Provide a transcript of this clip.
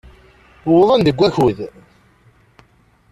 Wwḍen-d deg wakud.